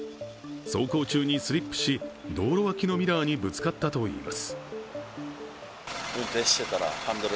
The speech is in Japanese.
走行中にスリップし、道路脇のミラーにぶつかったといいます。